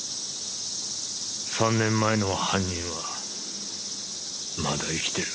３年前の犯人はまだ生きてる。